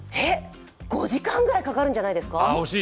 ５時間ぐらいかかるんじゃないですか？